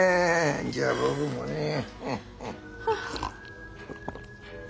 じゃあ僕もねぇ。